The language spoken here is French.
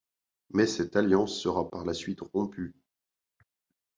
Mais cette alliance sera par la suite rompue.